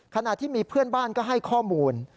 ขณะที่มีเพื่อนบ้านก็ให้ข้อมูล